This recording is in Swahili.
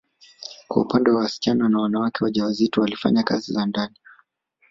Kwa upande wa wasichana na wanawake wajawazito walifanya kazi za ndani